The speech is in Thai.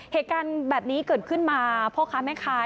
เหตุการณ์แบบนี้เกิดขึ้นมาพ่อค้าแม่ค้า